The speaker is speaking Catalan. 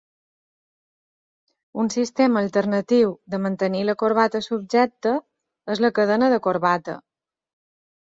Un sistema alternatiu de mantenir la corbata subjecta és la cadena de corbata.